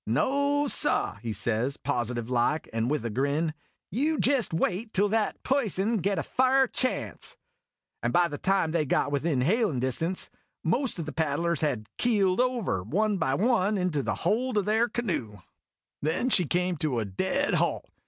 " No, sah !" he says, positive like, and with a grin. " You jest wait till that p'ison git a fa'r chance!" And by the time they got within hailin' distance, most o' the paddlers had keeled over, one by one, into the hold o' their canoe. A YARN OF SAILOR BEN S 227 Then she came to a dead halt.